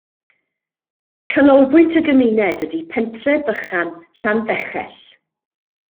Canolbwynt y gymuned ydy pentref bychan Llanfechell.